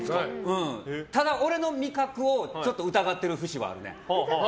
ただ、俺の味覚をちょっと疑ってる節はあるね。